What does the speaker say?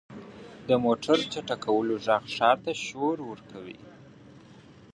• د موټر چټکولو ږغ ښار ته شور ورکوي.